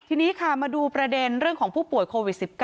ทีนี้ค่ะมาดูประเด็นเรื่องของผู้ป่วยโควิด๑๙